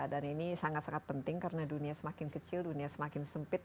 dan ini sangat sangat penting karena dunia semakin kecil dunia semakin sempit